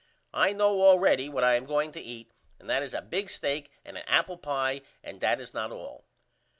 I know allready what I am going to eat and that is a big stake and a apple pie and that is not all.